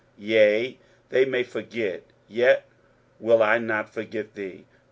yea, they may forget, yet will I not forget thee.